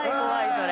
それ。